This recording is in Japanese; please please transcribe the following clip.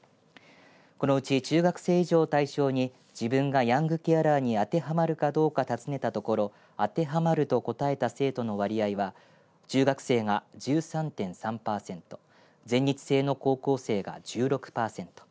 このうち中学生以上を対象に自分がヤングケアラーに当てはまるかどうか尋ねたところ当てはまると答えた生徒の割合は中学生が１３．３パーセント全日制の高校生が１６パーセント